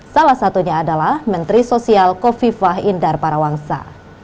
salah satunya adalah menteri sosial kofifah indar parawangsa